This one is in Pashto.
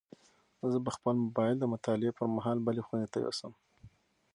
زه به خپل موبایل د مطالعې پر مهال بلې خونې ته یوسم.